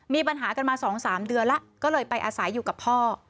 มีปัญหากันมา๒๓เดือนแล้วก็เลยไปอาศัยอยู่กับพ่อ